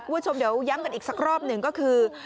คุณผู้ชมเดี๋ยวย้ำกันอีกสักรอบหนึ่งก็คือ